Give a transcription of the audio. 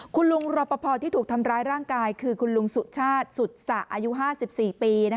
คุณลุงรอปภที่ถูกทำร้ายร่างกายคือคุณลุงสุชาติสุดสะอายุ๕๔ปี